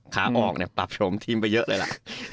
ขาออกเนี่ยปรับโฉมทีมไปเยอะเลยล่ะ